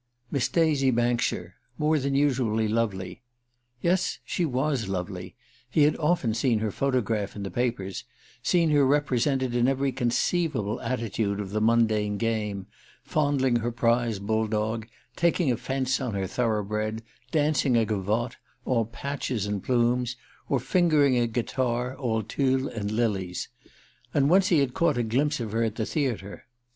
"Miss Daisy Bankshire ... more than usually lovely..." Yes; she was lovely. He had often seen her photograph in the papers seen her represented in every conceivable attitude of the mundane game: fondling her prize bull dog, taking a fence on her thoroughbred, dancing a gavotte, all patches and plumes, or fingering a guitar, all tulle and lilies; and once he had caught a glimpse of her at the theatre.